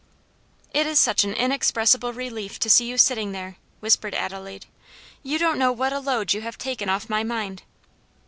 "It is such an inexpressible relief to see you sitting there," whispered Adelaide. "You don't know what a load you have taken off my mind."